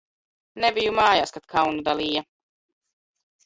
Nebiju m?j?s, kad kaunu dal?ja!